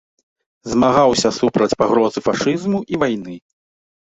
Змагаўся супраць пагрозы фашызму і вайны.